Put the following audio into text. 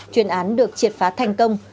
chuyên án được triệt phá thành công